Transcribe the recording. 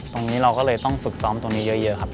ตรงนี้เราก็เลยต้องฝึกซ้อมตรงนี้เยอะครับ